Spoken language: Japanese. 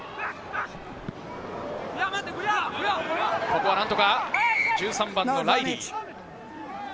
ここは何とか、１３番のライリー。